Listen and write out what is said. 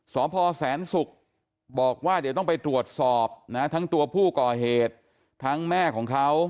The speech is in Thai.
สพแสนศุกร์บอกว่าเดี๋ยวต้องไปตรวจสอบนะทั้งตัวผู้ก่อเหตุทั้งแม่ของเขา